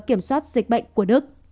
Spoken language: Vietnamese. kiểm soát dịch bệnh của đức